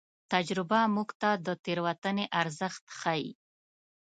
تجربه موږ ته د تېروتنې ارزښت ښيي.